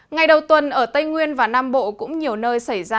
ngày đầu tuần ở tây nguyên và nam bộ cũng nhiều nơi xảy ra